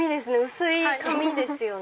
薄い紙ですよね。